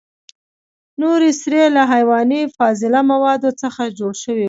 نورې سرې له حیواني فاضله موادو څخه جوړ شوي دي.